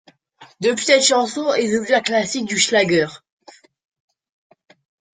Depuis, cette chanson est devenue un classique du schlager.